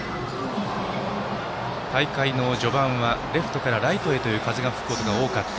大会序盤はレフトからライトへの風が吹くことが多かった